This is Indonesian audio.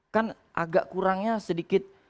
kan agak kurangnya sedikit